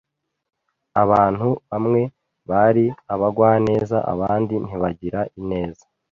Abantu bamwe bari abagwaneza abandi ntibagira neza.